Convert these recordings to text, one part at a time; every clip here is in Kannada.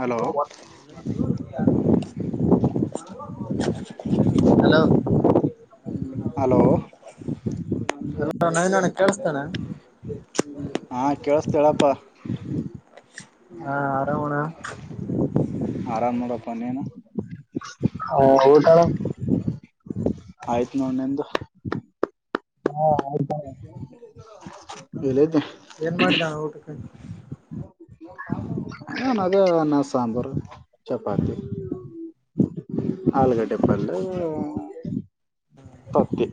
ಹಲೋ ಹಲೋ ಹ ಹಲೋ ನವೀನನ್ನ ಕೇಳಸ್ತೇನೆ ಹಾ ಕೇಳಿಸತ ಹೇಳಪ ಹಾ ಆರಾಮಣ [unintelligible] ಆರಾಮ್ ನೋಡ ಪ ನೀನ ಹ ಊಟಣ್ಣ ಆಯ್ತು ನೋಡ್ ನಿಂದು ಹಾ ಆದ ಬೆಲ್ದ ಏನ್ ಮಾಡಿದಾನ ಊಟಕ್ಕಂತ ಹ ನದ ನ ಸಾಂಬಾರ ಚ ಪತೆ ಹಾಲುಗಡ್ಡೆ ಪಲ್ಲು ತ ದಿ ಅನುವು ಕೊರ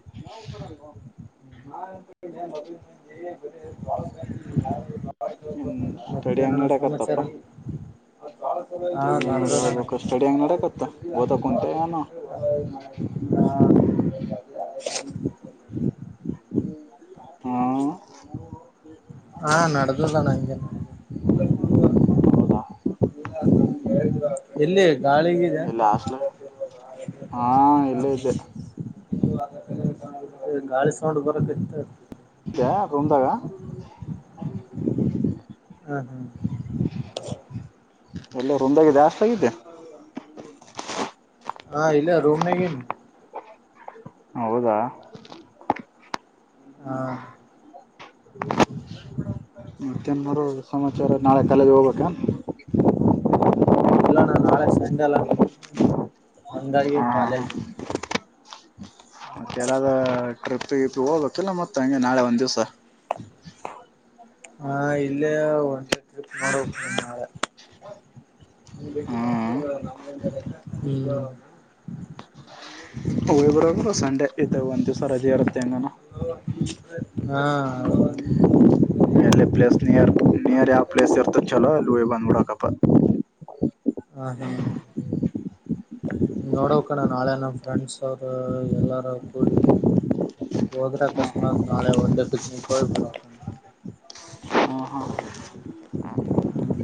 ನಾ ಅನ್ಕೊಂಡಿದ್ದೆ ಮದುವೆ ಮುಂಜಿ ಬರಿ ಹ್ಮ ಸ್ಟಡಿಿಯಂಗ ಮತ್ತೇನಣ ಸಮಾಚಾರ ನಡಕತ್ತಪ್ಪ ಹಾ ಏನ ನೋಡಿ ನಡದದಣ ಹೇಳ್ಬೇಕ ಸ್ಟಡಿ ಹಂಗ ನಡಕತ್ತ ಓದಕ್ ಕುಂಟೆ ಾನ ಹಾ ಹ್ಮ ಹಾ ನಡದ ಅಣ್ಣ ಅಂಗಲ್ಲ ನಾಂಗ ನ ಹೌದಾ ಇಲ್ಲ ನಮ್ಗೆ ಹೇಳಿದ ಎಲ್ಲಿ ಗಾಳಿಗಿದೆ ಇಲ್ಲ ಆಸ್ಲ ಹಾ ಹ ಇಲ್ಲ ಇದ್ದೆ ಗಾಳಿ ಸೌಂಡ್ ಬರಕ್ ಇತ್ತು ದ್ಯ ರೂಮದಾಗ ಹ ಹ ಎಲ್ಲ ರಂದಾಗ ಜಾಸ್ತಿ ಆಗಿದ್ದೆ ಹಾ ಇಲ್ಲ ರೂಮ್ನಗಿನಿ ಹೌದಾ ಹಾ ಮತ್ತೆ ಏನ್ಮಾಡೋದು ಸಮಾಚಾರ ನಾಳೆ ಕಾಲೇಜ್ಗೆ ಹೋಗ್ಬೇಕ ಇಲ್ಲ ಅಣ್ಣ ನಾಳೆ ಸಂಡೆಲ್ಲ ಅಂದರ್ಿಗೆ ಹಾ ಕಾಲೇಜು ಕೆಲ್ಲದ ಅಪ ಇ ಹೋಗ್ಕಲ್ಲ ಮತ್ತ ಹಂಗೆ ನಾಳೆ ಒಂದ್ ದಿವ್ಸ ಹಾ ಇಲ್ಲೇ ಒಂದ ಟ್ರಿಪ್ ಮಾಡೋಬೇಕ ನಾಳೆ ಭೇಟಿ ಹ್ಮ್ ಮಾಡ ನಮಗಂದಡೆ ಬರು ಸಂಡೆ ಇದು ಒಂದ್ ದಿವ್ಸ ರಜೆ ಇರುತ್ತೆ ಹೆಂಗಾನ ಹಾ ಎಲ್ಲಿ ಪ್ಲೇಸ್ ನಿಯರ್ ನಿಯರ್ ಯಾವ್ ಪ್ಲೇಸ್ ಇರ್ತ ಚಲೋ ಅಲ್ಲಿ ಹಿ ಬಂದ್ಬಿಡಾಕಪ್ಪ ಹ ಹ್ಮ್ ನೋಡೋ ಕಣ ನಾಳೆ ಅನ ಫ್ರೆಂಡ್ಸ್ ಅವರು ಎಲ್ಲಾರ ಕೂಡಿ ಹೋದ್ರೆ ಅಕಸ್ಮಾತ್ ನಾಳೆ ಒಂದ ೇ ಪಿಕ್ನಿಕ್ ಹೋಗಿ ಬರ ಹ್ಮ ಹಾ ಹ್ಮ್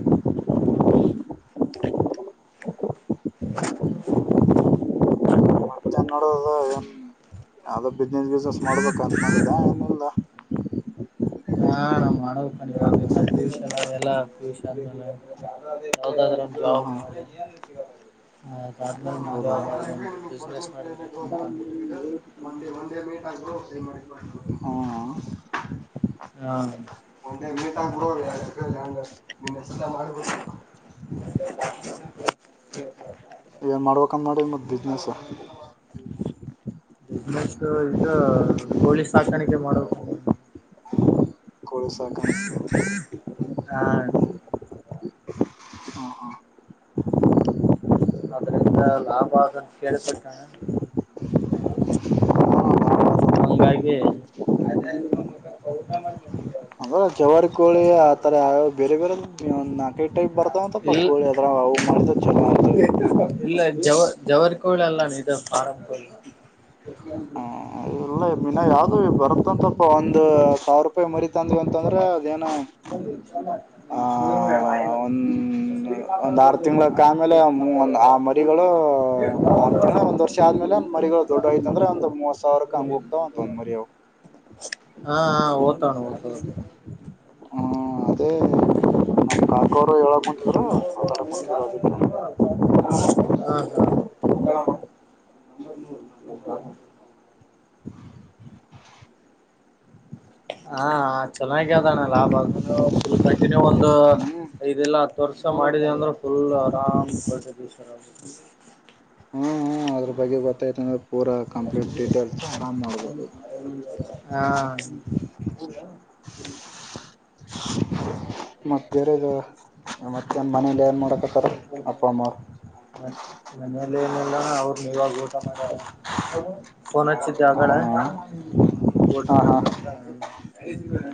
ಹ ಮತ್ತೆ ನೋಡದ ಏನ್ ಅ ಬಿಸ್ನೆಸ್ ಗಿಸ್ನೆಸ್ ಮಾಡ್ಬೇಕು ಅಂತ ಮಾಡೋಿದ್ದ ಮುಂದ ವಾಗನ್ ಎಲ್ಲ ಹೌದಾದ್ರ್ಲ ಹಾ ಬ್ಲಾಗ್ ಮಾಡಿನಿ ಹಾ ಹೌದ ಹ ಹ ಮಾಡಿದ್ರೆ ಹ ಹಾ ಒಂದೆ ಮಟ್ ಆಗ್ಬೋ ಯಂಗ ನಿನ್ನ ಎಷ್ಟಲ್ಲ ಮಾಡಬಟ್ಟ ಹ ಹ ಸರ್ ಬಿಸ್ನೆಸ್ ಇದು ಪೋಲೀಸ್ ಸಾಾಕಾಣಿಕೆ ಮಾಡ ಗರುಸ ಕಣಕ್ಕೆ ಆ ಹ್ಮ್ ಅದ್ರಂದ ಲಾಭ ಆದಂತ ಕೇಳಬಟ್ಟಣ ಹ್ಮ್ ಹಂಗಾಗಿ ಅ್ರ ಜವಾರಿ ಕೋಳಿ ಆತರ ಬೇರೆ ಬೇರೆ ಒ ನಾಕೈ ಟೈಪ್ ಬರ್ತಾವಂತಪ್ಪ ಇಲ್ ಕೋಳಿ ಅತ್ರ ಅವು ಮಾಡಿದ ಚೆನ್ನ ಇಲ್ಲ ಜವ ಜವರ್ ಕೋಳ ಅಲ್ಲ ನೀ ಇದು ಫಾರಂಕೋಳ ಎ ಇಿನ ಯಾವ್ದ ಬರ್ತ್ತಂತಪ್ಪ ಒಂದು ಸಾರ್ ಮರಿ ತಂದ ಅಂತಂದ್ರೆ ಅದೇನು ಆಹ ಒಂದ ಒಂದ್ ಆರು ತಿಂಳಕ್ ಆಮೇಲೆ ಒಂದ್ ಆ ಮರಿಗಳು ಆರು ತಿಂಗಳು ಒಂದ್ ವರ್ಷ ಆದ್ಮೇಲೆ ಮರಿಗಳು ದೊಡ್ಡೋಯ್ತ ಅಂದ್ರೆ ಒಂದು ಹಾ ಹಾ ಎ ಹತ ಹ್ಮ ಅದೇ ನಮ್ ಕಾಕೋರು ಹೇಳಕ್ ಕುಂತಿದ್ರು ಮಾತಾಡಕ್ ಕುಂತಿದ್ರು ಅದಕ್ಕೆ ಹ ಹ ಹ ಹಾ ಚೆನ್ನಾಗ ಅದಣ್ಣ ಲಾಭ ಅದ ಫುಲ್ ಕಂಟಿನ್ಯೂ ಒಂದು್ ಹ್ಮ್ ಐದಲ್ಲಾ ಹತ್ತು ವರ್ಷ ಮಾಡಿದೆ ಅಂದ್ರೆ ಫುಲ್ ಆರಾಮ್ ಕೊಳ್ತೈತಿವರ್ ಸ ಹ್ಮ್ ಅದ್ರ ಬಗ್ಗೆ ಗೊತ್ತಾಯ್ತ ಅಂದ ಪೂರ ಕಂಪ್ಲೀಟ್ ಡೀಟೇಲ್ಸ ಆರಾಮ್ ಮಾಡ್ಬೋದು ಹ ಮತ್ತರದು ಮತ್ತೆ ಮನೇಲಿ ಏನ್ ಮಾಡೋಕತ್ತಾರ ಅಪ್ಪ ಅಮ್ಮ್ರ ಇಲ್ಲಿ ಏನಿಲ್ಲಾನ ಅವ್ರ ಇವಾಗ ಊಟ ಮಾಡ್ಯಲ್ಲ ಫೋನ್ ಹಚ್ಚತಿ ಆಗಡೆ ಹ ೋಟಾ ಹಾ ಹಾ ಹಾ ವಟತಾ ದು ಬರ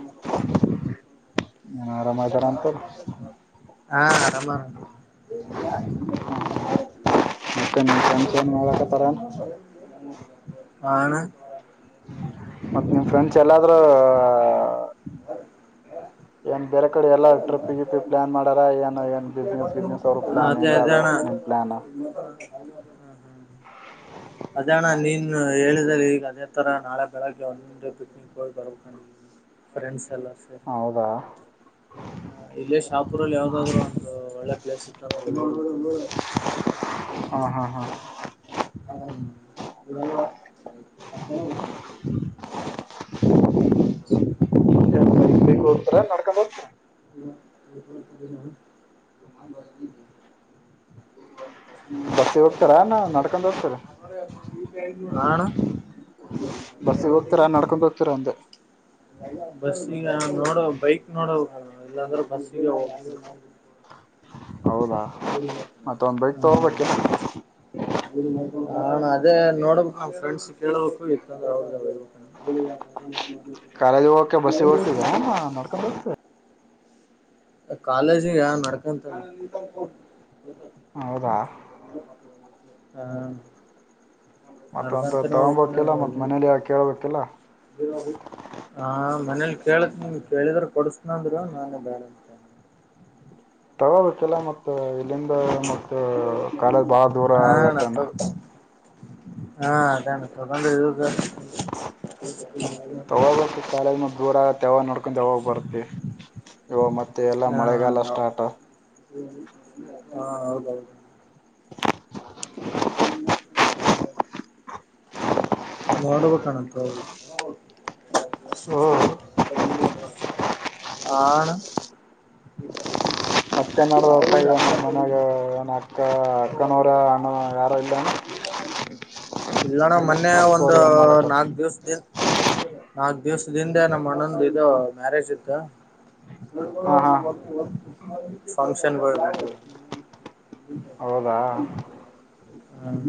ಆರಾಮ ಇದಾರ ಅಂತ ಶ ಮತ್ತೆ ನಿಮ್ ಫ್ರೆಂಡ್ಸ್ ಏನ್ ಮಾಡಕತ್ತಾರ ಆಾನ ಮತ್ತ ನವ ಸಂಜೆ ಎಲ್ಲಾದ್ರೂ [unintelligible] ಬೇರೆ ಕಡೆ ಎಲ್ಲ ಟ್ರಿಪ್ಿಗೆಿಿ ಪ್ಲಾನ್ ಮಾಡಾರ ಏನ್ ಏನ್ ಬಿಸ್ನೆಸ್ ವಿಸ್ನೆಸ್ ಅವರು ಪ್ಲಾನ್ ಅದೇ ಹೆಂಗ ಅದೇ ಅದ ಅಣ್ಣ ನಿಮ್ ಪ್ಲಾನ್ ಹ್ಮ್ ಅದಣ್ಣ ನೀನ್ ಹೇಳಿದ್ರ ಈಗ ಅದೇ ತರ ನಾಳೆ ಬೆಳಗ್ಗೆ ಒಂದ್ ನಿಂಟೆ ಪಿಕ್ನಿಕ್ ಹೋಗಿ ಬರ್ಬೇಕುಿ ಫ್ರೆಂಡ್ಸ್ ಎಲ್ಲ ರಿ ಹೌದಾ ಹ ಇಲ್ಲೇ ಶಾಪುರಲ್ಲಿ ಯಾವ್ದಾದ್್ರರು ಒಂದು ಒಳ್ಳೆ ಪ್ಲೇಸ್ ಇತ್ತ [unintelligible] ಹಾ ಹಾ ಹಾ [unintelligible] [unintelligible] ಏನ್ ಬೈಕ್ ಹೋೋಗತರ ನಡ್ಕೊಂಡ್ ಹೋಗತ [unintelligible] ಬಸ್ಸಿಗೆ ಹೋಗ್ತಾರ ನಡ್ಕೊಂಡ್ ಹೋಗ್ತಾರ ಆ ಅಣ್ಣ ಬಸ್ಸಿಗೆ ಹೋಗ್ತೀರಾ ನಡ್ಕೊಂಡ್ ಹೋಗ್ತೀರಾ ಅಂದೆ ಬಸ್ಸಗ ನೋಡ ಬೈಕ್ ನೋಡ ಎಲ್ಲಾಂದ್ರೆ ಬಸ್ಸಗ ಹೌದಾ ಮತ್ತ ಒಂದ್ ಬೈಕ್ ತಗೋಬೇಕಿಲ್ಲ ಹಾ ಹ ಅದೇ ನೋಡ್ಬೇಕು ನಾವ್ ಫ್ರೆಂಡ್ಸ್ ಕೇಳ್ಬೇಕು ಇತ್ತಂದ್ರ ಅವ ಕಾಲೇಜಿಗೆ ಹೋಗಕೆ ಬಸ್ಸಿಗೆ ಹೋಗತಿದೆ ನೋಡ್ಕೊಂಡ ಹೋಗ್ತಾ ಕಾಲೇಜಿಂಗ ನಡ್ಕಂತ ಅಣ್ಣ ಹೌದಾ ಹ ಮತ್ತೊಂದು ನಡ್ಕಂತನ ತಗೊಬೇಕಿಲ್ಲ ಮತ್ ಹೋಗ್ಬೇಕ ಮನೇಲಿ ಯಾವ ಕೇಳ್ಬೇಕಿಲ್ಲ ಹಾ ಮನೇಲಿ ಕೇಳಕ್ ಕೇಳಿದ್ರ ಕೊಡಸನ ಅಂದರು ನಾನ ಬೇಡ ಅಂದೆ ತಗೋಬೇಕಿಲ್ಲ ಮತ್ತು ಅಲ್ಲಿಂದ ಮತ್ತ ಕಾಲೇಜಿ ಬಾಳ ದೂರ ಹಾಣ ತ ಆಗತ್ತನಾ ಹಾ ಅದಾನ [unintelligible] ತಗೋಬೇಕು ಕಾಲೇಜ್ [unintelligible] ದೂರ ಆಗುತ್ತೆ ಯಾವಾಗ ನೋಡ್ಕೊಂಡು ಯಾವಾಗ ಬರ್ತ್ತತಿ ಇವಾಗ ಮತ್ತೆ ಮತ್ತೆ ಎಲ್ಲಾ ಮಳೆಗಾಲ ಸ್ಟಾರ್ಟ್ ಹ್ಮ ಹಾ ಹೌದೌದು [unintelligible] ನೋಡ್ಬೇಕನ್ನ ತಗೋಬೇಕು [unintelligible] ಆ ಹಣ ಅಕ್ಕ ನೋಡಪ್ಪ ಮನ್ಯಾಗ ಏನ ಅಕ್ಕ ಅಕ್ಕನವರ ಅಣ್ಣ ಯಾರ ಇಲ್ಲ ಇಲ್ಲಣ ಮೊನ್ನೆ ಒಂದು ನಾಲ್ಕು ದಿವ್ಸ ನಾಲ್ಕ್ ದಿವ್ಸದಿಂದೆ ನಮ್ಮ ಆಣ್ಣದು ಇದು ಮ್ಯಾರೇಜ್ ಇತ್ತು ಹಾ ಹಾ [unintelligible] ಫಂಕ್ಷನ್ ಬ ಹೌದಾ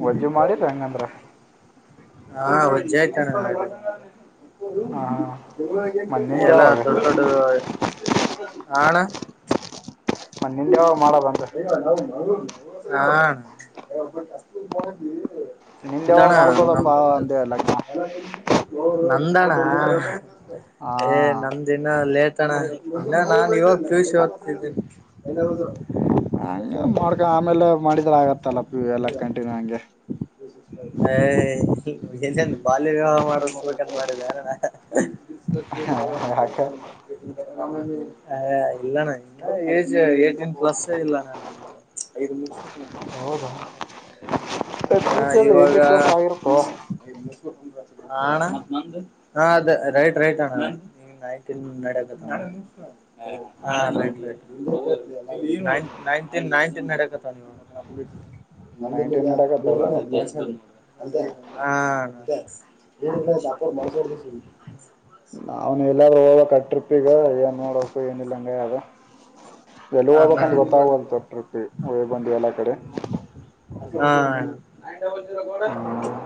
ವಜ್ಜು ಮಾಡಿ ಹೆಂಗಂದ್ರ ಹಾ ವಜಯತ ಎಲ್ಲ ಹಾಂ ಹಾಂ ಮತ್ತು ನಿಂದು ಎಲ್ಲ ಯಾವಾಗ ದೊಡ್ಡ ದೊಡ್ಡ ಆಣ ಮ ನಿಿಂದ ಯಾವ ಮಾಡ ಬಂದ ಹಾ ನಿನ್ ಯಾವ ಮಾಡ್ಕೋದಪ್ಪಾ ಅಂದ ಲಗ್ನ ನಂದಣ ಏ ಹಾಂ ನಮ್ದಿನ ಲೇಟ್ ತಣ ಇನ್ನ ನಾನು ಇವಾಗ ಪ್ಯೂಶ ಓದ್ತಿದ್ದೇನಿ ದ ಹದು ಹಂಗ ಮಾಡ್ಕ ಆಮೇಲೆ ಮ ್ರ ಆಗತ್ತಲ್ಲ ಪ ಎಲ್ಲ ಕಂಟಿನ್ಯೂ ಹಂಗೆ ಏ ಎ ಬಾಲ್ಯ ವಿವಾಹ ಮಾಡದುಂತ ಮಾಡಿದ ಯಾರಣ ಯಾಕೆ ಕಾಲಾಲ ಇಲ್ಲಣ ಇ ಏಜ್ ಏೀನ್ ಪ್ಲಸ್ ಇಲ್ಲ ಐ ಎ ಏಟಿ ಪ್ಲಸ್ ಆಗರ್ಪ ಣ ಹ ರೈಟ್ ರೈಟ್ ಅಣ್ಣ ನ ಹ ಲೈಟ್ ನ ನಂದಿಲಿ ಈಗ ನೈನ್ಟೀನ್ ನಡಕತ್ತದ ಗ ಮತ್ತು ಗಾಸ ಅೇ ಹ ಅದೇ ನೀ ಅಪ್ಪರ್ ಮಸಡ್್ದ ಸ ನಾವ್ನ್ ಎಲ್ಲಾದ್ರೂ ಹೋಗಕ ಟ್ರಿಪ್ ಈಗ ಏನ್ ನೋಡಕ ಏನಿಲ್ಲ ಹಂಗದ ಎಲ್ಲಿ ಹಾ ಹಾ ಹೋಗಬೇಕಂದ ಗೊತ್ತಾಗಲ್ ಿಪಿ ಹೊಯಿ ಬಂದಿ ಎಲ್ಲಾ ಕಡೆ ಹಾ ಕ ನ ಹ್ಞೂ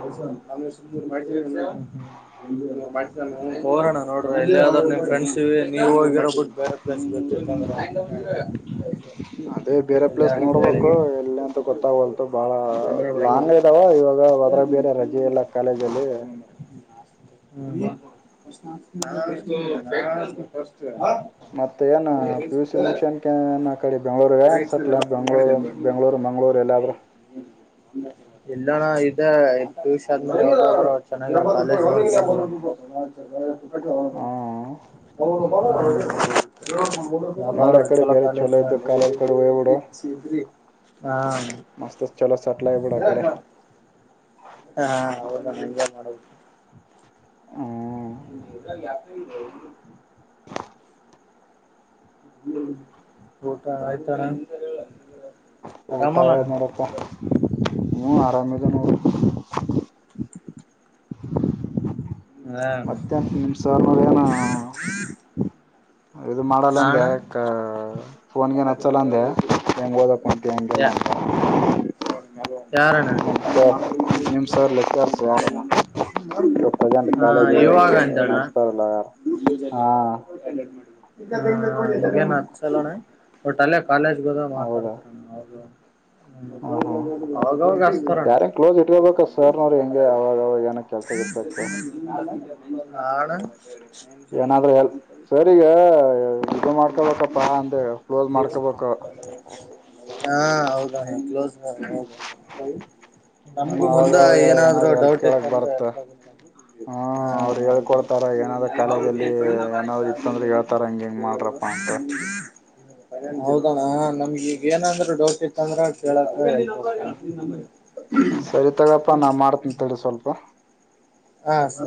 ಹೋರೋಣ ನೋಡ್ರ ಎಲ್ಲಿ್ರರು ನಿ್ ಫ್ರೆಂಡ್ಸ್ ನೀವ್ ಹೋಗಿರೋ ಬಿಟ್ಟು ಬೇರೆ ಪ್ಲೇಸ್ ಬತ್ತರ್ತಂದ್ರ ಅದೇ ಬೇರೆ ಪ್ಲೇಸ್ ನೋಡ್ಬೇಕು ಎಲ್ಲ ಅಂತ ಗೊತ್ತಾಗಲ್ ಬಾಳ ಲಾಂಗ್ ಇದಾವ ಇವಾಗ ಹದ್ರಾಗ ಬೇರೆ ರಜೆ ಇಲ್ಲ ಕಾಲೇಜ ಅಲ್ಲಿ ಹ ಬ ಮತ್ತ ಏನ್ ಪಿಿಯುಸ ಮುಕ್ಷನ್ಕ ಕಡೆ ಬೆಂಗ್ಳೂರ್ ಏನ್ ಸಟ್ಲ್ ಬೆಂಗಳೂರು ಬೆಂಗ್ಳೂರು ಮಂಗ್ೂರು ಎಲ್ಲ ಇಲ್ಲಣ್ಣ ಇದ ಶರ್ಮ ಚನ್ನ [unintelligible] ಇಟ್ಟ ಹ್ಮ್ ಹ [inaudible] ಎಲ್ದರು ನೋಡಿ ಆ ಕಡೆ ಚಲೋ ಬೇರೆ ಕಾಲೇಜ್ ಇದ್ದು ಕಾಲೇಜ್ ಕಡೆ [unintelligible] ಹಾ ಮಸ್ತತ್ ಚಲೋ ಸಟಲಯ ಬುಡಾ ಕಡೆ ಹಾ ಹೌದಾ ಹಂಗೆ ಮಾಡೋದು ಹ [unintelligible] ಊಟ ಆಯ್ತಾ ಅಣ್ಣಾ ಊಟ ಆಯದ ನೋಡಪ್ಪ ಹೂಂ ಆರಾಮಿದಿನಿ ನೋಡು ಹಾ ಅಣ್ಣಾ ಮತ್ತೇನ್ ನಿಮ್ ಸರ್ನವ್ರು ಏನ [unintelligible] ಇದು ಮಾಡಲ್ಲಂದೆ ಕ ಫೋನ್ಗೀನ್ ಹಚ್ಚಲ್ಲಂದೆ ಹೆಂಗ್ [unintelligible] ಅಂತ ಯಾರಣ ನಮ್ ಸರ್ ನಿಮ್ ಸರ್ ಲೆಕ್ಚರ್ಸ್ ಯಾರನ ಇವಾಗ ಪ್ರೆಸೆಂಟ್ ಹಾ ಕಾಲೇಜ್ ಇವಾಗ ಅಂತಣ ಹಾ ನಡೆಸ್ತಾರಲ್ಲ ಯಾರು ಹಾ [unintelligible] ಚಲೋಣ ಒಟ್ಟಲ್ಲೇ ಕಾಲೇಜ್ಗೆ ಹೋದಾಗ ಹೌದಾ ಮಾತಾಡ್ತಾರಣ್ಣ ಹೌದು. ಹ್ಮ ಹ್ಮ್ ಅವಾಗವಾಗ್ ಮತ್ ಹಚ್ತಾರಣ ಯಾರ ಕ್ಲೋಸ್ ಇಟ್ಕೋಬೇಕ ಸರ್ನವ್ರು ಹೆಂಗೆ ಅವಾಗ ಅವಾಗ ಏನ ಕೆಲ್ಸ ಗಿಲ್ಸಕ್ ಹಾ ಅಣ ಏನಾದ್ರೂ ಹೆಲ್ಪ್ ಸರಿಗ ಇದು ಮಾಡ್ಕೊಬೇಕಪ್ಪಾ ಅಂದೆ ಕ್ಲೋಸ್ ಮಾಡ್ಕೊಬೇಕು ಹಾ ಹೌ ಕ್ಲೋಸ್ ಹ ಹ್ಮ್ ನಮಗೂ ಮುಂದ ಅವಾಗವಾಗ ಏನಾದ್ರು ಹೆಲ್ಪ್ ಡೌಟ್ ಕೇಳಕ್ ಇತ್ತಂದ್ರ ಬರುತ್ತ ಎಲ್ಪ್ ಆಗತ್ತ ಹ್ಮ್ ಅವ್ರು ಹೇಳ್ಕೊಡ್ತಾರ ಏನಾದ್ರ ಕಾಲೇಜಲ್ಲಿ ಏನಾದ್ರು ಇತ್ತಂದ್ರೆ ಹೇಳ್ತಾರ ಹಂಗ ಹಿಂಗ್ ಮಾಡ್ರಪ್ಪಾ ಅಂತ [unintelligible] ಹೌದಣ ನಮ್ಗಿಗ್ ಏನಂದ್ರೂ ಡೌಟ್ ಇ ತ್ತಂದ್ರ ಕೇಳಕ್ಕೆ ಇದ್ [unintelligible] ಸರಿ ತಗಪ್ಪಾ ನಾ ಮಾಡ್ತನಿ ತಡಿ ಸ್ವಲ್ಪ. ಹಾ ಸ